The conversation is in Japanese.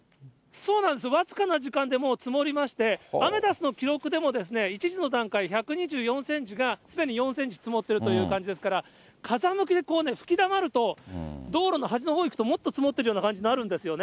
そうなんです、僅かな時間でもう積もりまして、アメダスの記録でも、１時の段階１２４センチが、すでに４センチ積もっているという状況ですから、風向きで吹きだまると、道路の端のほうに行くともっと積もってる感じになってるんですよ